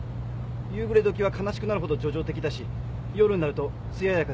夕暮れ時は悲しくなるほど叙情的だし夜になると艶やかで色っぽい。